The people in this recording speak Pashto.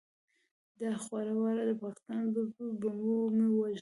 دا خواره واره د پاکستان په بمو مه وژنه!